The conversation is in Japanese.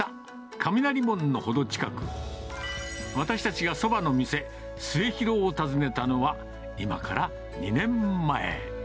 雷門の程近く、私たちがそばの店、末広を訪ねたのは、今から２年前。